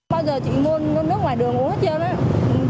bao giờ chị mua nước ngoài đường uống hết trơn á